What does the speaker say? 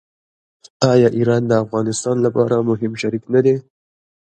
آیا ایران د افغانستان لپاره مهم شریک نه دی؟